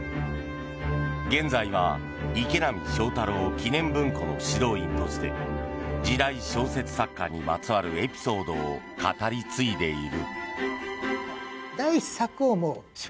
現在は池波正太郎記念文庫の指導員として時代小説作家にまつわるエピソードを語り継いでいる。